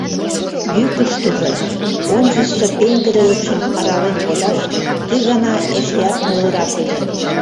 Йӱкыштыжӧ ончычсо пеҥгыдылыкшым арален кодаш ты гана эшеат нелырак ыле: